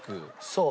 そう。